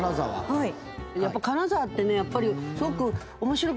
はい。